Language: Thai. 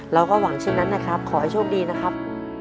เราก็หวังเช่นนั้นนะครับขอให้โชคดีนะครับ